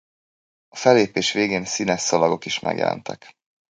A fellépés végén színes szalagok is megjelentek.